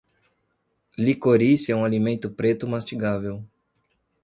Licorice é um alimento preto mastigável.